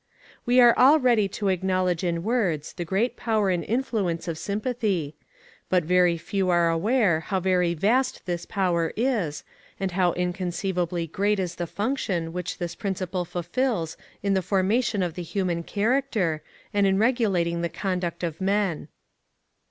We are all ready to acknowledge in words the great power and influence of sympathy, but very few are aware how very vast this power is, and how inconceivably great is the function which this principle fulfills in the formation of the human character, and in regulating the conduct of men.